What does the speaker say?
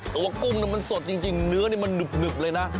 กุ้งมันสดจริงเนื้อนี่มันหนึบเลยนะ